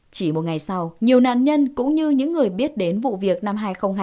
chỉ một ngày sau nhiều nạn nhân cũng như những người biết đến vụ việc năm hai nghìn hai mươi